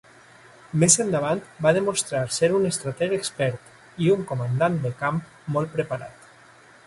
Més endavant va demostrar ser un estrateg expert i un comandant de camp molt preparat.